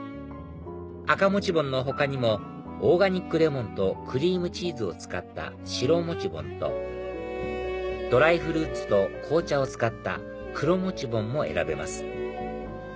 赤モチボンの他にもオーガニックレモンとクリームチーズを使った白モチボンとドライフルーツと紅茶を使った黒モチボンも選べます